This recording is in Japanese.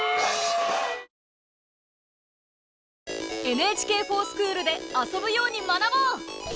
「ＮＨＫｆｏｒＳｃｈｏｏｌ」で遊ぶように学ぼう！